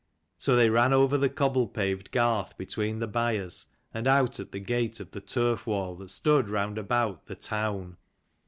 So they ran over the cobble paved garth between the byres, and out at the gate of the turf wall that stood round about the "town."